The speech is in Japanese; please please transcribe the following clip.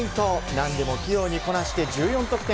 何でも器用にこなして１４得点。